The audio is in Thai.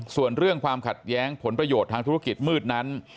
ส่วนเรื่องความขัดแย้งผลประโยชน์ทางธุรกิจมืดนั้น